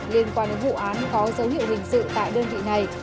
liên quan đến vụ án có dấu hiệu hình sự tại đơn vị này